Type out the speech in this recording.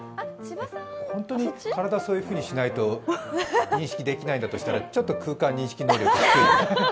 本当に体そういうふうにしないと認識できないんだとしたらちょっと空間認識能力が。